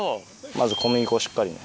まず小麦粉をしっかり。